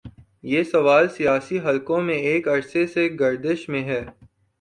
یہ سوال سیاسی حلقوں میں ایک عرصے سے گردش میں ہے۔